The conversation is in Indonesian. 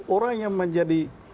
orang yang menjadi